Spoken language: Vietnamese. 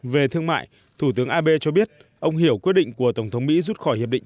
về thương mại thủ tướng abe cho biết ông hiểu quyết định của tổng thống mỹ rút khỏi hiệp định